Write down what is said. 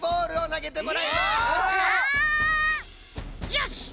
よし！